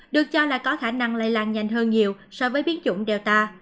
được cho là có khả năng lây lan nhanh hơn nhiều so với biến chủng delta